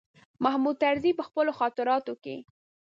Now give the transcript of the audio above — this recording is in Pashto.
محمود طرزي په خپلو خاطراتو کې.